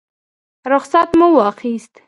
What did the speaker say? رخصت مو واخیست.